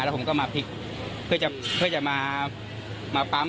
แล้วผมก็มาพลิกเพื่อจะมาปั๊ม